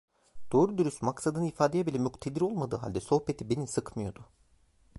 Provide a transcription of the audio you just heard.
Doğru dürüst maksadını ifadeye bile muktedir olmadığı halde sohbeti beni sıkmıyordu.